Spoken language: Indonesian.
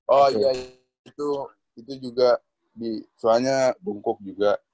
oh iya itu juga soalnya bungkuk juga